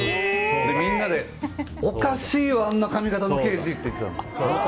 みんなで、おかしいよあんな髪形の刑事って言ってたの。